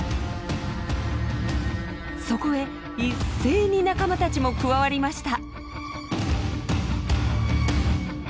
そこへ一斉に仲間たちも加わりました。